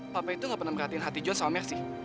papa itu gak pernah merhatiin hati juhan sama mercy